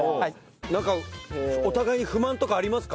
なんかお互いに不満とかありますか？